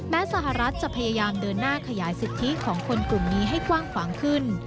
สหรัฐจะพยายามเดินหน้าขยายสิทธิของคนกลุ่มนี้ให้กว้างขวางขึ้น